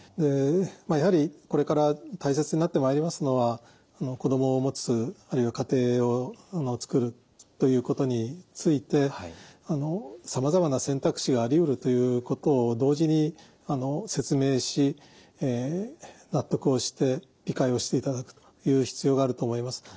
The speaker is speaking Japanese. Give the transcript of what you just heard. やはりこれから大切になってまいりますのは子どもをもつあるいは家庭を作るということについてさまざまな選択肢がありうるということを同時に説明し納得をして理解をしていただくという必要があると思います。